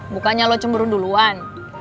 bukannya lu cemburu duluan